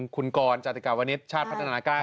คุณกรจาธิกาวณิชลชาติพัฒนากา